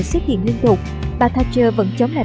xét hiện liên tục bà thatcher vẫn chống lại